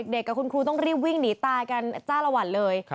เด็กกับคุณครูต้องรีบวิ่งหนีตายกันจ้าละวันเลย